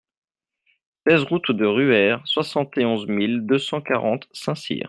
seize route de Ruère, soixante et onze mille deux cent quarante Saint-Cyr